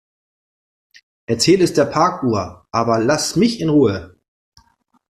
Erzähl es der Parkuhr, aber lass mich in Ruhe.